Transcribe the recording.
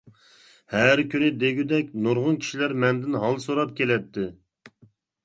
ھەر كۈنى دېگۈدەك نۇرغۇن كىشىلەر مەندىن ھال سوراپ كېلەتتى.